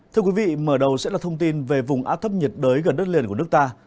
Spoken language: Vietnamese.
thưa quý vị mở đầu sẽ là thông tin về vùng áp thấp nhiệt đới gần đất liền của nước ta